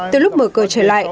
từ lúc mở cửa trại